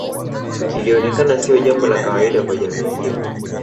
Ilionekana sio jambo la kawaida kwa jamii hiyo